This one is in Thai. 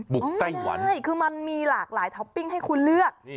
กไต้หวันใช่คือมันมีหลากหลายท็อปปิ้งให้คุณเลือก